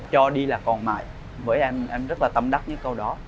cho đi là còn mãi với em em rất là tâm đắc với câu đó